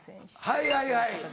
はいはいはい。